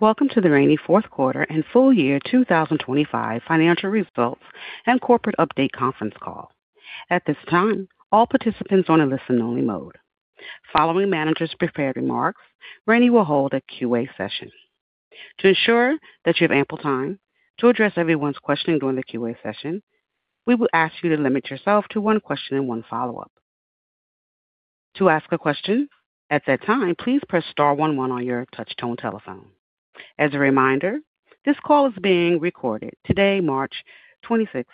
Welcome to the Rani fourth quarter and full year 2025 financial results and corporate update conference call. At this time, all participants are on a listen-only mode. Following management's prepared remarks, Rani will hold a Q&A session. To ensure that you have ample time to address everyone's questioning during the Q&A session, we will ask you to limit yourself to one question and one follow-up. To ask a question at that time, please press star 1 1 on your touch-tone telephone. As a reminder, this call is being recorded today, March 26,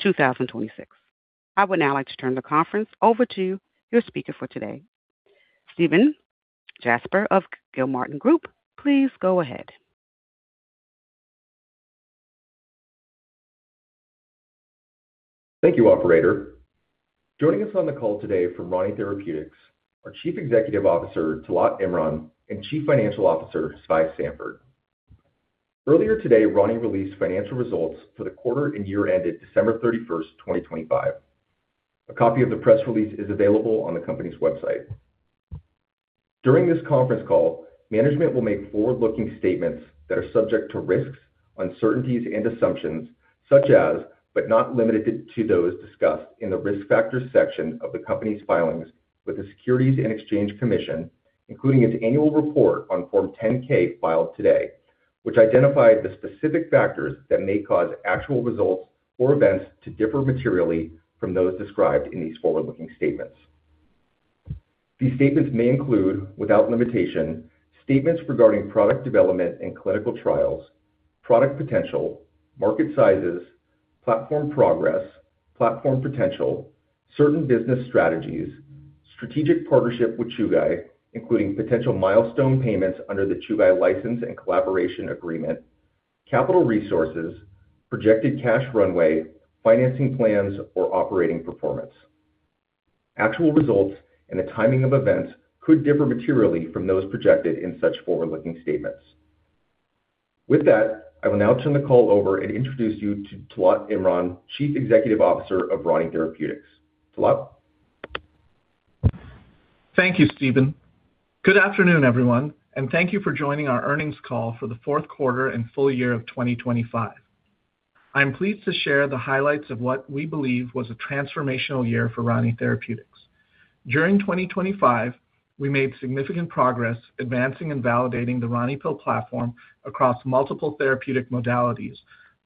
2026. I would now like to turn the conference over to your speaker for today, Stephen Jasper of Gilmartin Group. Please go ahead. Thank you, operator. Joining us on the call today from Rani Therapeutics, our Chief Executive Officer, Talat Imran, and Chief Financial Officer, Svai Sanford. Earlier today, Rani released financial results for the quarter and year ended December 31, 2025. A copy of the press release is available on the company's website. During this conference call, management will make forward-looking statements that are subject to risks, uncertainties and assumptions such as, but not limited to, those discussed in the Risk Factors section of the company's filings with the Securities and Exchange Commission, including its annual report on Form 10-K filed today, which identified the specific factors that may cause actual results or events to differ materially from those described in these forward-looking statements. These statements may include, without limitation, statements regarding product development and clinical trials, product potential, market sizes, platform progress, platform potential, certain business strategies, strategic partnership with Chugai, including potential milestone payments under the Chugai license and collaboration agreement, capital resources, projected cash runway, financing plans, or operating performance. Actual results and the timing of events could differ materially from those projected in such forward-looking statements. With that, I will now turn the call over and introduce you to Talat Imran, Chief Executive Officer of Rani Therapeutics. Talat. Thank you, Stephen. Good afternoon, everyone, and thank you for joining our earnings call for the fourth quarter and full year of 2025. I'm pleased to share the highlights of what we believe was a transformational year for Rani Therapeutics. During 2025, we made significant progress advancing and validating the RaniPill platform across multiple therapeutic modalities,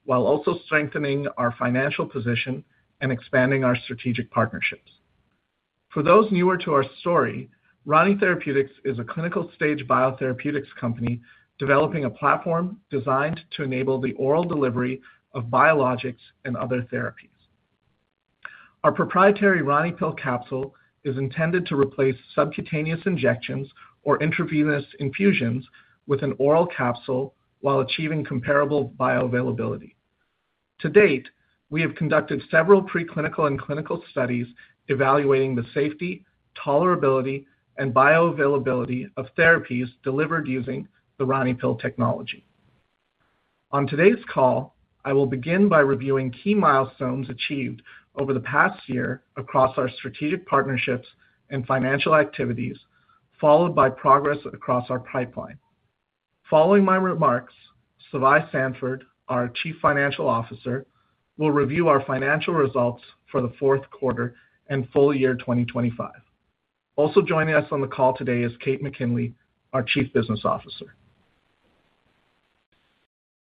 while also strengthening our financial position and expanding our strategic partnerships. For those newer to our story, Rani Therapeutics is a clinical-stage biotherapeutics company developing a platform designed to enable the oral delivery of biologics and other therapies. Our proprietary RaniPill capsule is intended to replace subcutaneous injections or intravenous infusions with an oral capsule while achieving comparable bioavailability. To date, we have conducted several preclinical and clinical studies evaluating the safety, tolerability, and bioavailability of therapies delivered using the RaniPill technology. On today's call, I will begin by reviewing key milestones achieved over the past year across our strategic partnerships and financial activities, followed by progress across our pipeline. Following my remarks, Svai Sanford, our Chief Financial Officer, will review our financial results for the fourth quarter and full year 2025. Also joining us on the call today is Kate McKinley, our Chief Business Officer.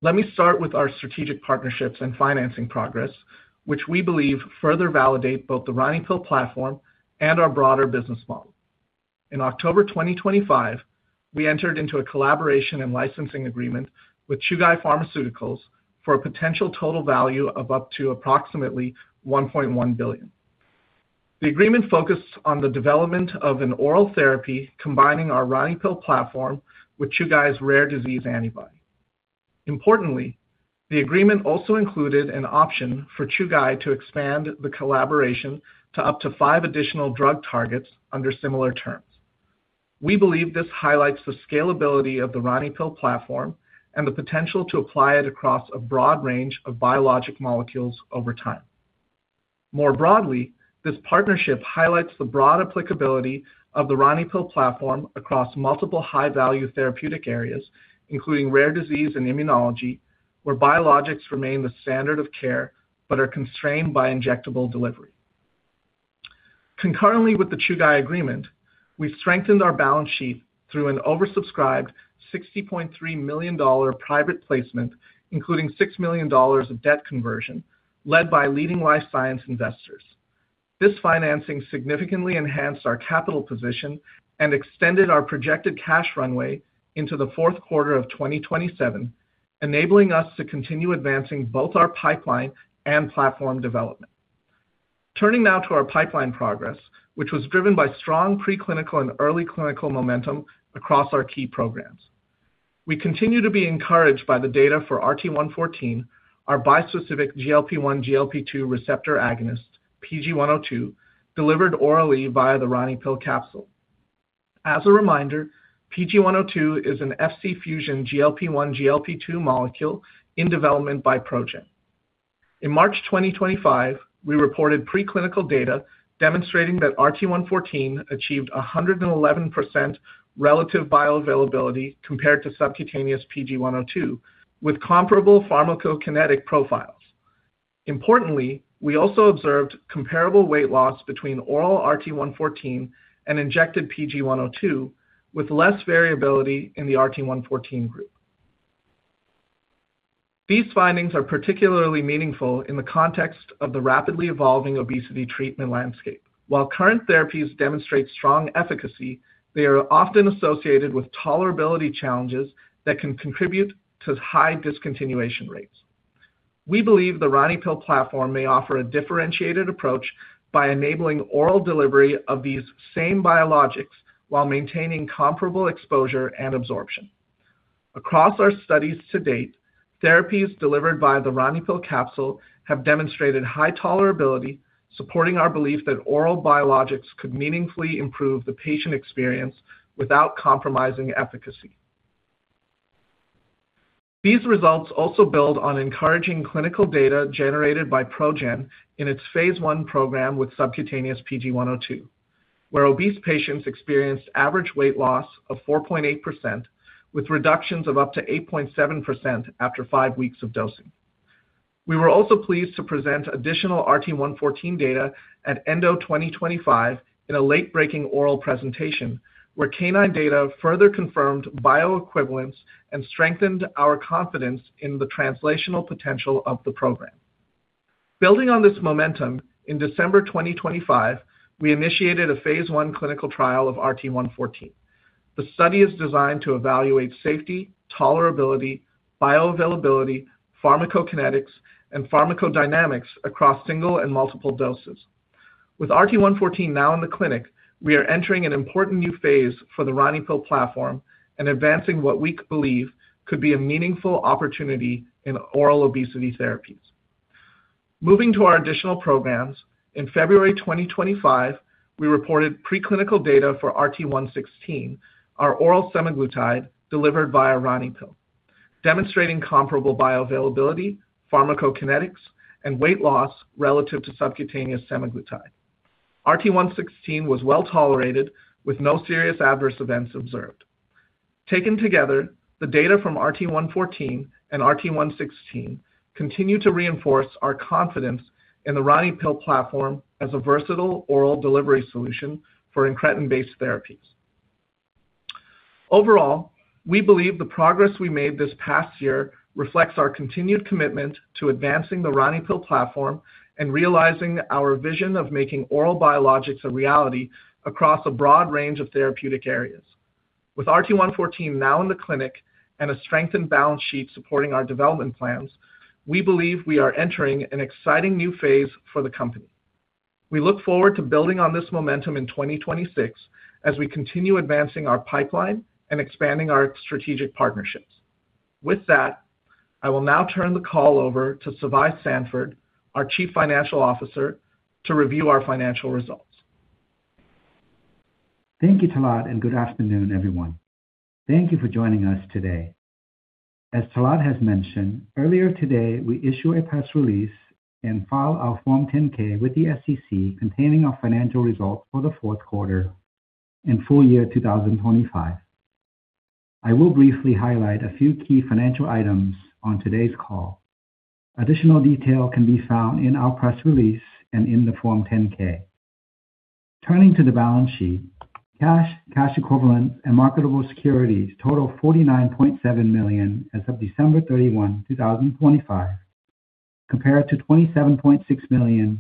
Let me start with our strategic partnerships and financing progress, which we believe further validate both the RaniPill platform and our broader business model. In October 2025, we entered into a collaboration and licensing agreement with Chugai Pharmaceutical for a potential total value of up to approximately $1.1 billion. The agreement focused on the development of an oral therapy combining our RaniPill platform with Chugai's rare disease antibody. Importantly, the agreement also included an option for Chugai to expand the collaboration to up to five additional drug targets under similar terms. We believe this highlights the scalability of the RaniPill platform and the potential to apply it across a broad range of biologic molecules over time. More broadly, this partnership highlights the broad applicability of the RaniPill platform across multiple high-value therapeutic areas, including rare disease and immunology, where biologics remain the standard of care but are constrained by injectable delivery. Concurrently with the Chugai agreement, we've strengthened our balance sheet through an oversubscribed $60.3 million private placement, including $6 million of debt conversion led by leading life science investors. This financing significantly enhanced our capital position and extended our projected cash runway into the fourth quarter of 2027, enabling us to continue advancing both our pipeline and platform development. Turning now to our pipeline progress, which was driven by strong preclinical and early clinical momentum across our key programs. We continue to be encouraged by the data for RT-114, our bispecific GLP-1/GLP-2 receptor agonist, PG-102, delivered orally via the RaniPill capsule. As a reminder, PG-102 is an Fc fusion GLP-1/GLP-2 molecule in development by ProGen. In March 2025, we reported preclinical data demonstrating that RT-114 achieved 111% relative bioavailability compared to subcutaneous PG-102, with comparable pharmacokinetic profiles. Importantly, we also observed comparable weight loss between oral RT-114 and injected PG-102, with less variability in the RT-114 group. These findings are particularly meaningful in the context of the rapidly evolving obesity treatment landscape. While current therapies demonstrate strong efficacy, they are often associated with tolerability challenges that can contribute to high discontinuation rates. We believe the RaniPill platform may offer a differentiated approach by enabling oral delivery of these same biologics while maintaining comparable exposure and absorption. Across our studies to date, therapies delivered via the RaniPill capsule have demonstrated high tolerability, supporting our belief that oral biologics could meaningfully improve the patient experience without compromising efficacy. These results also build on encouraging clinical data generated by ProGen in its phase I program with subcutaneous PG-102, where obese patients experienced average weight loss of 4.8%, with reductions of up to 8.7% after five weeks of dosing. We were also pleased to present additional RT-114 data at ENDO 2025 in a late-breaking oral presentation, where canine data further confirmed bioequivalence and strengthened our confidence in the translational potential of the program. Building on this momentum, in December 2025, we initiated a phase I clinical trial of RT-114. The study is designed to evaluate safety, tolerability, bioavailability, pharmacokinetics, and pharmacodynamics across single and multiple doses. With RT-114 now in the clinic, we are entering an important new phase for the RaniPill platform and advancing what we believe could be a meaningful opportunity in oral obesity therapies. Moving to our additional programs, in February 2025, we reported preclinical data for RT-116, our oral semaglutide delivered via RaniPill, demonstrating comparable bioavailability, pharmacokinetics, and weight loss relative to subcutaneous semaglutide. RT-116 was well-tolerated, with no serious adverse events observed. Taken together, the data from RT-114 and RT-116 continue to reinforce our confidence in the RaniPill platform as a versatile oral delivery solution for incretin-based therapies. Overall, we believe the progress we made this past year reflects our continued commitment to advancing the RaniPill platform and realizing our vision of making oral biologics a reality across a broad range of therapeutic areas. With RT-114 now in the clinic and a strengthened balance sheet supporting our development plans, we believe we are entering an exciting new phase for the company. We look forward to building on this momentum in 2026 as we continue advancing our pipeline and expanding our strategic partnerships. With that, I will now turn the call over to Svai Sanford, our Chief Financial Officer, to review our financial results. Thank you, Talat, and good afternoon, everyone. Thank you for joining us today. As Talat has mentioned, earlier today we issue a press release and file our Form 10-K with the SEC containing our financial results for the fourth quarter and full year 2025. I will briefly highlight a few key financial items on today's call. Additional detail can be found in our press release and in the Form 10-K. Turning to the balance sheet, cash equivalents, and marketable securities total $49.7 million as of December 31, 2025, compared to $27.6 million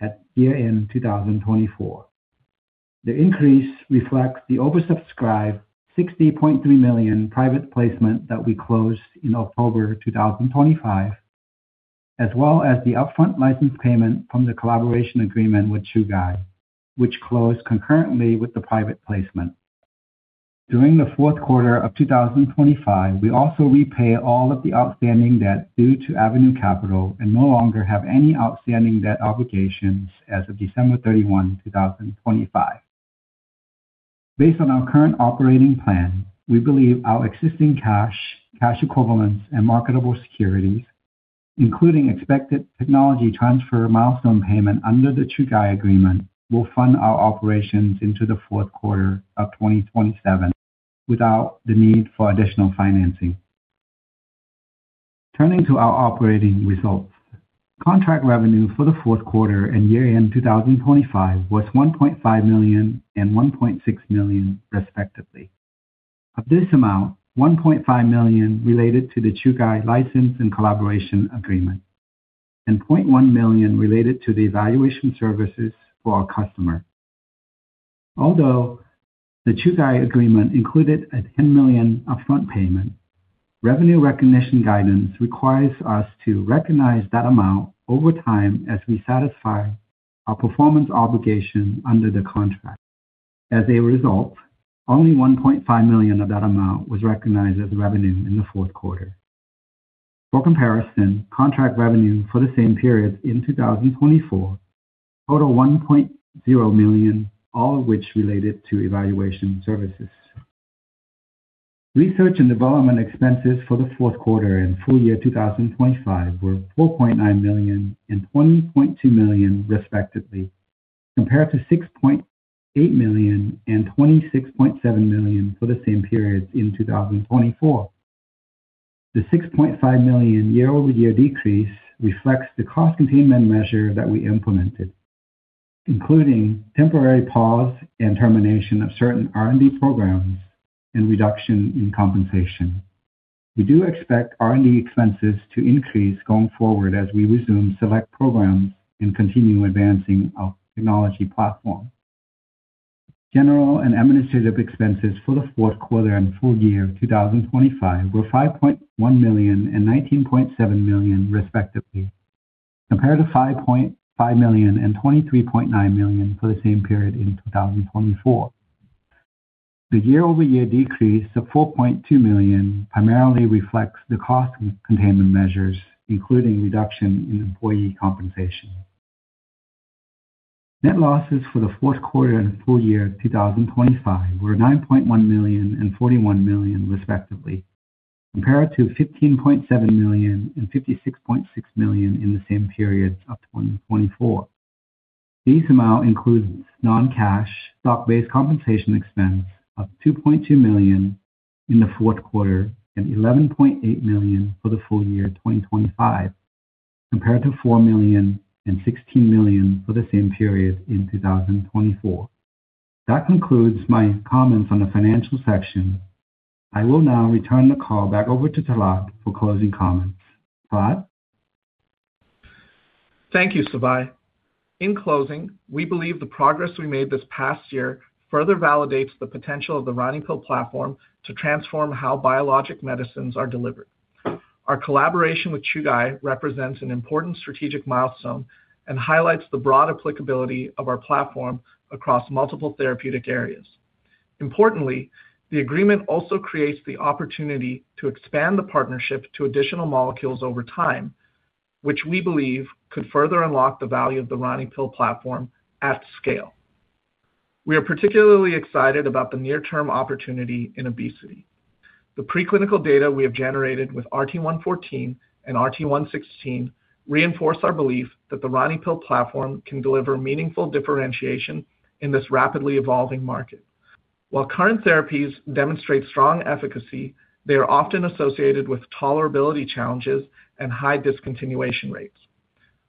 at year-end 2024. The increase reflects the oversubscribed $60.3 million private placement that we closed in October 2025, as well as the upfront license payment from the collaboration agreement with Chugai, which closed concurrently with the private placement. During the fourth quarter of 2025, we also repay all of the outstanding debt due to Avenue Capital and no longer have any outstanding debt obligations as of December 31, 2025. Based on our current operating plan, we believe our existing cash equivalents, and marketable securities, including expected technology transfer milestone payment under the Chugai agreement, will fund our operations into the fourth quarter of 2027 without the need for additional financing. Turning to our operating results. Contract revenue for the fourth quarter and year-end 2025 was $1.5 million and $1.6 million, respectively. Of this amount, $1.5 million related to the Chugai license and collaboration agreement, and $0.1 million related to the evaluation services for our customer. Although the Chugai agreement included a $10 million upfront payment, revenue recognition guidance requires us to recognize that amount over time as we satisfy our performance obligation under the contract. As a result, only $1.5 million of that amount was recognized as revenue in the fourth quarter. For comparison, contract revenue for the same period in 2024 totaled $1 million, all of which related to evaluation services. Research and development expenses for the fourth quarter and full year 2025 were $4.9 million and $20.2 million respectively, compared to $6.8 million and $26.7 million for the same periods in 2024. The $6.5 million year-over-year decrease reflects the cost containment measure that we implemented, including temporary pause and termination of certain R&D programs and reduction in compensation. We do expect R&D expenses to increase going forward as we resume select programs and continue advancing our technology platform. General and administrative expenses for the fourth quarter and full year 2025 were $5.1 million and $19.7 million, respectively, compared to $5.5 million and $23.9 million for the same period in 2024. The year-over-year decrease of $4.2 million primarily reflects the cost containment measures, including reduction in employee compensation. Net losses for the fourth quarter and full year 2025 were $9.1 million and $41 million, respectively, compared to $15.7 million and $56.6 million in the same period of 2024. This amount includes non-cash stock-based compensation expense of $2.2 million in the fourth quarter and $11.8 million for the full year 2025, compared to $4 million and $16 million for the same period in 2024. That concludes my comments on the financial section. I will now return the call back over to Talat for closing comments. Talat? Thank you, Svai. In closing, we believe the progress we made this past year further validates the potential of the RaniPill platform to transform how biologic medicines are delivered. Our collaboration with Chugai represents an important strategic milestone and highlights the broad applicability of our platform across multiple therapeutic areas. Importantly, the agreement also creates the opportunity to expand the partnership to additional molecules over time, which we believe could further unlock the value of the RaniPill platform at scale. We are particularly excited about the near-term opportunity in obesity. The preclinical data we have generated with RT-114 and RT-116 reinforce our belief that the RaniPill platform can deliver meaningful differentiation in this rapidly evolving market. While current therapies demonstrate strong efficacy, they are often associated with tolerability challenges and high discontinuation rates.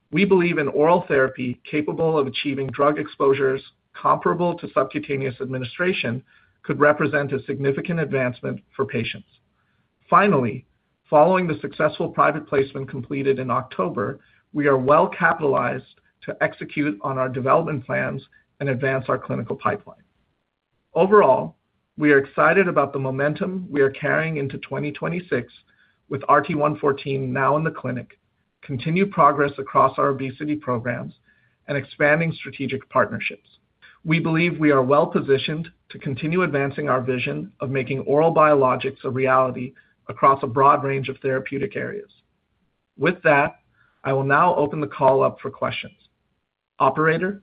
We believe an oral therapy capable of achieving drug exposures comparable to subcutaneous administration could represent a significant advancement for patients. Finally, following the successful private placement completed in October, we are well capitalized to execute on our development plans and advance our clinical pipeline. Overall, we are excited about the momentum we are carrying into 2026 with RT-114 now in the clinic, continued progress across our obesity programs, and expanding strategic partnerships. We believe we are well positioned to continue advancing our vision of making oral biologics a reality across a broad range of therapeutic areas. With that, I will now open the call up for questions. Operator?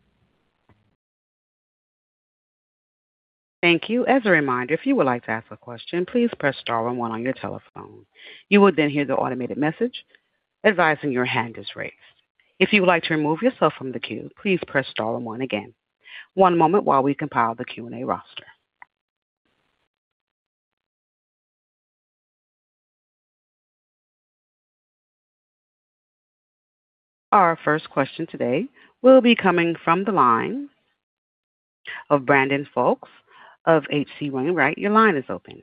Thank you. As a reminder, if you would like to ask a question, please press star 1 1 on your telephone. You will then hear the automated message advising your hand is raised. If you would like to remove yourself from the queue, please press star one again. One moment while we compile the Q&A roster. Our first question today will be coming from the line of Brandon Folkes of H.C. Wainwright. Your line is open.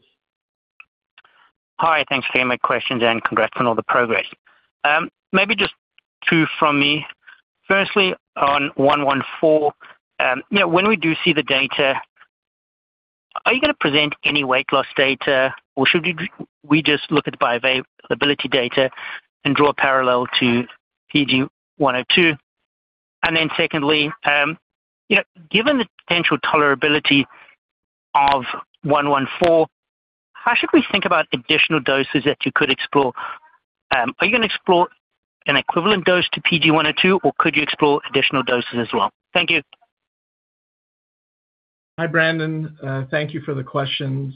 Hi. Thanks for taking my questions, and congrats on all the progress. Maybe just two from me. Firstly, on 114, you know, when we do see the data, are you going to present any weight loss data or should we just look at bioavailability data and draw a parallel to PG 102? Then secondly, you know, given the potential tolerability of 114, how should we think about additional doses that you could explore? Are you going to explore an equivalent dose to PG 102 or could you explore additional doses as well? Thank you. Hi, Brandon. Thank you for the questions.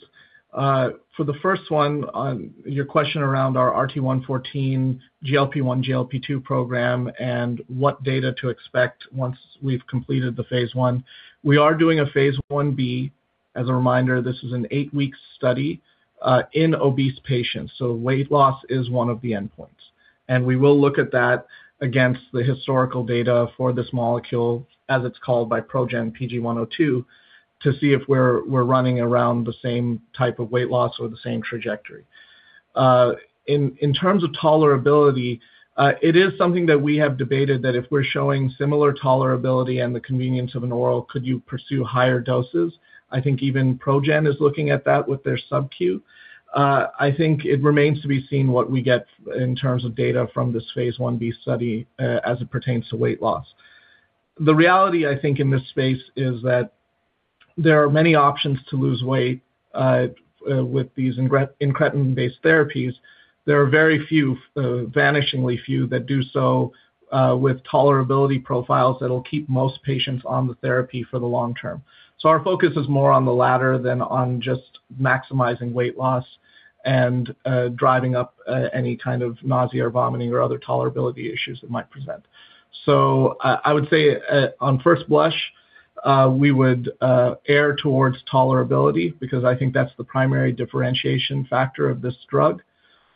For the first one, on your question around our RT-114 GLP-1, GLP-2 program and what data to expect once we've completed the phase I. We are doing a phase I-B. As a reminder, this is an 8-week study in obese patients, so weight loss is one of the endpoints. We will look at that against the historical data for this molecule, as it's called by ProGen PG-102, to see if we're running around the same type of weight loss or the same trajectory. In terms of tolerability, it is something that we have debated that if we're showing similar tolerability and the convenience of an oral, could you pursue higher doses? I think even ProGen is looking at that with their SubQ. I think it remains to be seen what we get in terms of data from this phase I-B study, as it pertains to weight loss. The reality I think in this space is that there are many options to lose weight, with these incretin-based therapies. There are very few, vanishingly few that do so, with tolerability profiles that'll keep most patients on the therapy for the long term. Our focus is more on the latter than on just maximizing weight loss and, driving up, any kind of nausea or vomiting or other tolerability issues it might present. I would say, on first blush, we would err towards tolerability because I think that's the primary differentiation factor of this drug.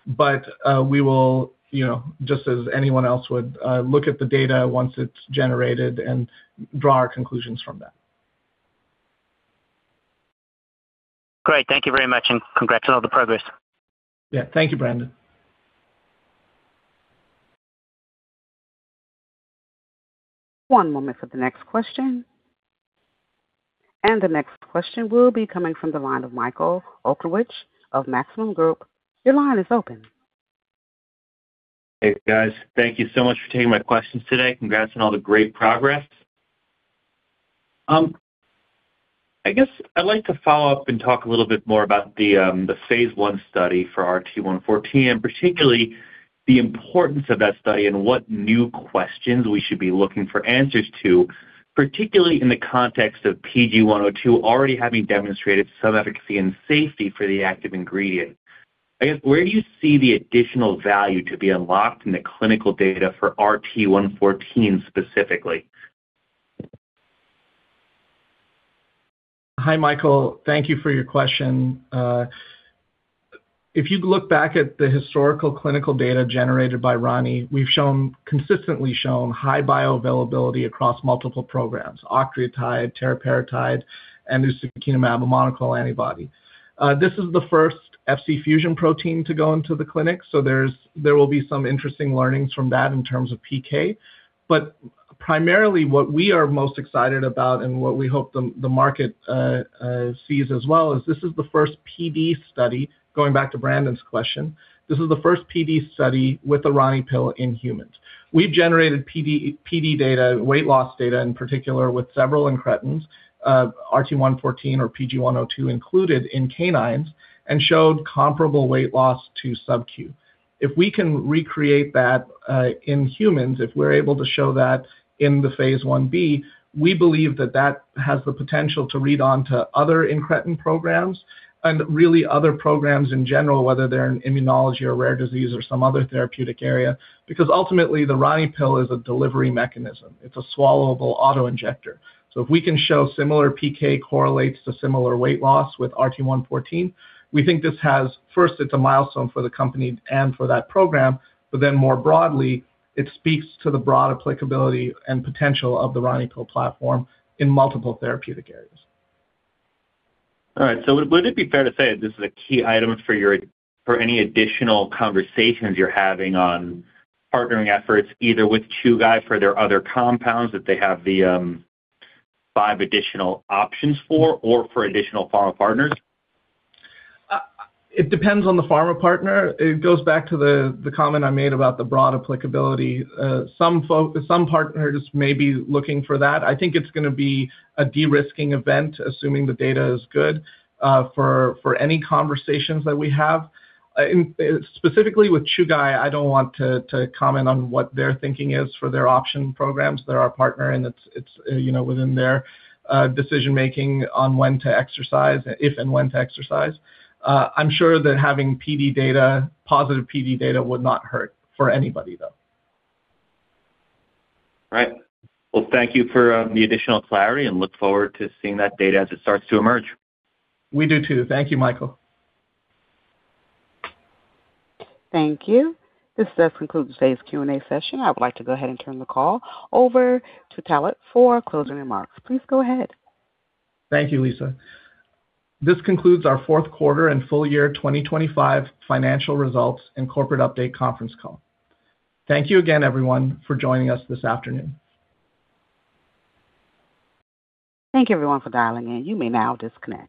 We will, you know, just as anyone else would, look at the data once it's generated and draw our conclusions from that. Great. Thank you very much, and congrats on all the progress. Yeah. Thank you, Brandon. One moment for the next question. The next question will be coming from the line of Michael Okunewitch of Maxim Group. Your line is open. Hey, guys. Thank you so much for taking my questions today. Congrats on all the great progress. I guess I'd like to follow up and talk a little bit more about the phase I study for RT-114, and particularly the importance of that study and what new questions we should be looking for answers to, particularly in the context of PG-102 already having demonstrated some efficacy and safety for the active ingredient. I guess, where do you see the additional value to be unlocked in the clinical data for RT-114 specifically? Hi, Michael. Thank you for your question. If you look back at the historical clinical data generated by Rani, we've shown consistently shown high bioavailability across multiple programs, octreotide, teriparatide, and the secukinumab monoclonal antibody. This is the first Fc fusion protein to go into the clinic, so there will be some interesting learnings from that in terms of PK. But primarily what we are most excited about and what we hope the market sees as well is this is the first PD study, going back to Brandon's question. This is the first PD study with the RaniPill in humans. We've generated PD data, weight loss data in particular with several incretins, RT-114 or PG-102 included in canines, and showed comparable weight loss to SubQ. If we can recreate that in humans, if we're able to show that in phase I-B, we believe that that has the potential to read on to other incretin programs and really other programs in general, whether they're in immunology or rare disease or some other therapeutic area. Because ultimately, the RaniPill is a delivery mechanism. It's a swallowable auto-injector. If we can show similar PK correlates to similar weight loss with RT-114, we think this has. First, it's a milestone for the company and for that program, but then more broadly, it speaks to the broad applicability and potential of the RaniPill platform in multiple therapeutic areas. All right. Would it be fair to say this is a key item for any additional conversations you're having on partnering efforts, either with Chugai for their other compounds that they have the five additional options for or for additional pharma partners? It depends on the pharma partner. It goes back to the comment I made about the broad applicability. Some partners may be looking for that. I think it's gonna be a de-risking event, assuming the data is good, for any conversations that we have. Specifically with Chugai, I don't want to comment on what their thinking is for their option programs. They're our partner, and it's, you know, within their decision-making on when to exercise, if and when to exercise. I'm sure that having PD data, positive PD data, would not hurt for anybody, though. All right. Well, thank you for the additional clarity, and I look forward to seeing that data as it starts to emerge. We do too. Thank you, Michael. Thank you. This does conclude today's Q&A session. I would like to go ahead and turn the call over to Talat for closing remarks. Please go ahead. Thank you, Lisa. This concludes our fourth quarter and full year 2025 financial results and corporate update conference call. Thank you again, everyone, for joining us this afternoon. Thank you everyone for dialing in. You may now disconnect.